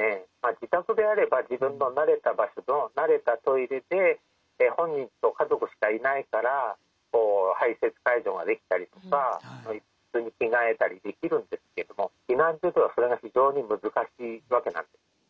自宅であれば自分の慣れた場所の慣れたトイレで本人と家族しかいないから排せつ介助ができたりとか普通に着替えたりできるんですけども避難所ではそれが非常に難しいわけなんです。